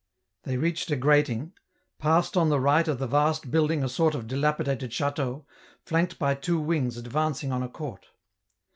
They reached a grating, passed on the right of the vast building a sort of dilapidated chateau, flanked by two wings advancing on a court.